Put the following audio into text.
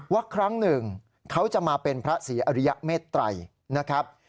ครั้งหนึ่งเขาจะมาเป็นพระศรีอริยเมตรัยนะครับ